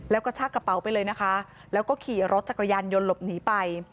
แล้วก็ชากระเป๋าไปเลยนะคะแล้วก็ขี่รถจักรยานยนต์หลบหนีไป